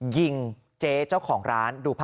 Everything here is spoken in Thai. ยิงเจ๊เจ้าของร้าน